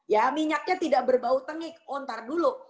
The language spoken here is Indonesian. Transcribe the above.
ya minyaknya tidak berbau tengik oh ntar dulu